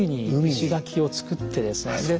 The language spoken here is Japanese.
石垣を造ってですね。